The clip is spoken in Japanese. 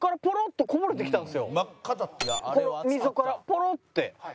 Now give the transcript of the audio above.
この溝からポロッて。